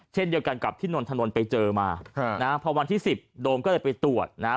เช่นเดียวกันกับที่นนทนนท์ไปเจอมาพอวันที่สิบโดมก็เลยไปตรวจนะฮะ